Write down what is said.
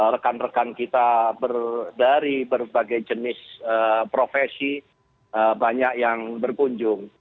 rekan rekan kita dari berbagai jenis profesi banyak yang berkunjung